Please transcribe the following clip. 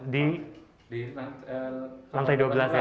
di lantai dua belas ya